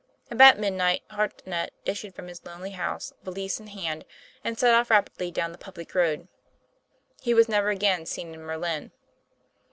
About midnight, Hartnett issued from his lonely house, valise in hand, and set off rapidly down the public road. He was never again seen in Merlin.